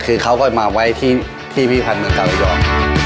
แต่เขาก็มาไว้ที่พี่พันตร์เกาลล้อยอก